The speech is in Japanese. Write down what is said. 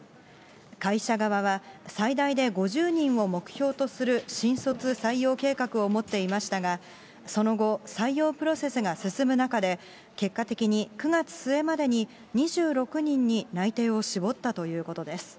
会社側は、最大で５０人を目標とする新卒採用計画を持っていましたが、その後、採用プロセスが進む中で、結果的に９月末までに２６人に内定を絞ったということです。